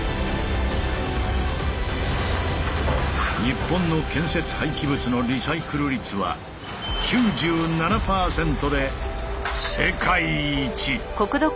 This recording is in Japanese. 日本の建設廃棄物のリサイクル率は９７％で世界一！